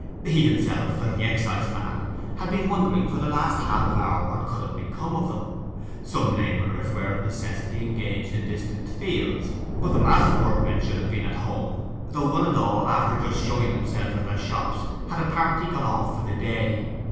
He himself, like the excisemen, had been wondering for the last half hour what could have become of them. Some labourers were of necessity engaged in distant fields, but the master workmen should have been at home; though one and all, after just showing themselves at their shops, had apparently gone off for the day.